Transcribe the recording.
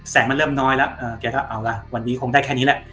มันเริ่มน้อยแล้วแกก็เอาล่ะวันนี้คงได้แค่นี้แหละ